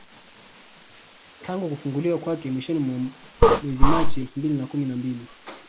Tangu kufunguliwa kwake mwishoni mwa mwezi Machi elfu mbili na kumi na mbili